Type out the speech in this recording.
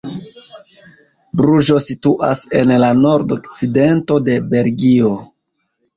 Bruĝo situas en la nordokcidento de Belgio.